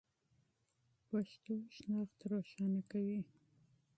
پښتو هویت روښانه کوي.